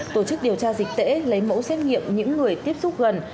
tổ chức điều tra dịch tễ lấy mẫu xét nghiệm những người tiếp xúc gần